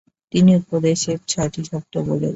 তিনি উপদেশের ছয়টি শব্দ বলে যান।